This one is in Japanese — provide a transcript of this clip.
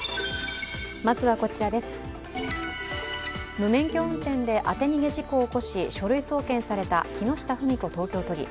無免許運転で当て逃げ事故を起こし書類送検された木下富美子東京都議。